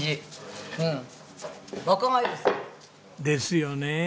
ですよね。